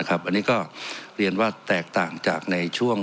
อันนี้ก็เรียนว่าแตกต่างจากในช่วง